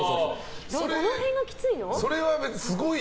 どの辺がきついの？